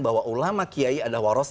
bahwa ulama kiai adalah waros